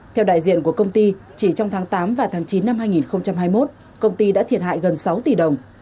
theo đại diện của công ty chỉ trong tháng tám và tháng chín năm hai nghìn hai mươi một công ty đã thiệt hại gần sáu tỷ đồng